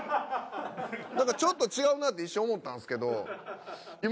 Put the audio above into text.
何かちょっと違うなって一瞬思ったんですけど。